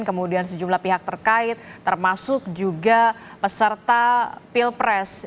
kemudian sejumlah pihak terkait termasuk juga peserta pilpres